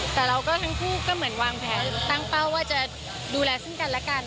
แต่เราก็ทั้งคู่ก็เหมือนวางแผนตั้งเป้าว่าจะดูแลซึ่งกันและกัน